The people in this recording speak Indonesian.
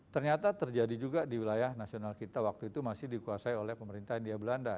ternyata terjadi juga di wilayah nasional kita waktu itu masih dikuasai oleh pemerintah india belanda